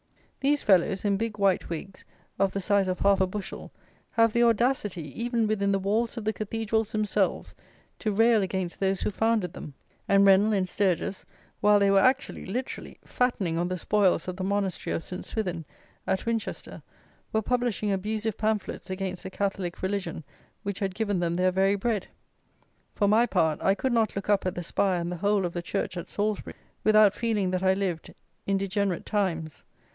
These fellows, in big white wigs, of the size of half a bushel, have the audacity, even within the walls of the Cathedrals themselves, to rail against those who founded them; and Rennell and Sturges, while they were actually, literally, fattening on the spoils of the monastery of St. Swithin, at Winchester, were publishing abusive pamphlets against that Catholic religion which had given them their very bread. For my part, I could not look up at the spire and the whole of the church at Salisbury, without feeling that I lived in degenerate times.